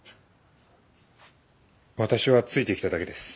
私はついてきただけです。